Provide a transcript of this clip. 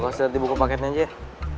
bokasnya dibuka paketnya aja ya